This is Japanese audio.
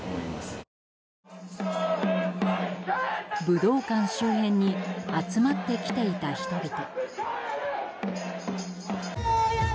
武道館周辺に集まってきていた人々。